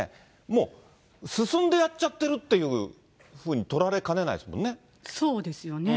もう進んでやっちゃってるっていうふうにとられかねないですものそうですよね。